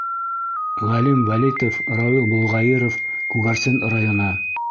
Ғәлим ВӘЛИТОВ, Рауил БОЛҒАИРОВ, Күгәрсен районы: